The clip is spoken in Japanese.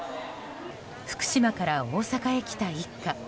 福島から大阪へ来た一家。